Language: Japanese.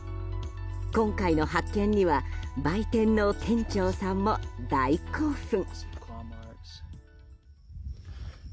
今回の発見には売店の店長さんも大興奮。